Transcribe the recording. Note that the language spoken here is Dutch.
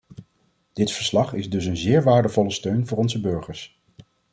Dit verslag is dus een zeer waardevolle steun voor onze burgers!